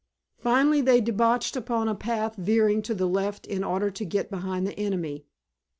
Finally they debouched upon a path veering to the left in order to get behind the enemy.